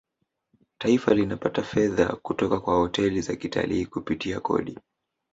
taifa linapata fedha kutoka kwa hoteli za kitalii kupitia kodi